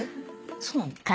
そうなの？